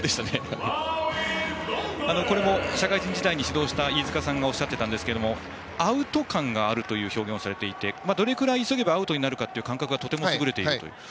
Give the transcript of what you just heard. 社会人時代に指導した飯塚さんがおっしゃっていたんですけれどもアウト勘があるという表現をされていてどれくらい急げばアウトになるかという感覚が優れていると。